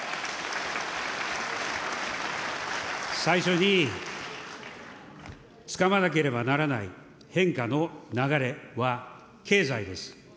最初につかまなければならない変化の流れは、経済です。